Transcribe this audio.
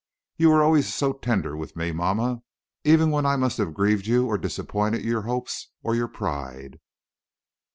You were always so tender with me, mamma, even when I must have grieved you or disappointed your hopes or your pride.